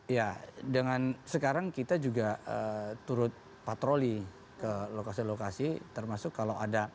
ya dengan sekarang kita juga turut patroli ke lokasi lokasi termasuk kalau ada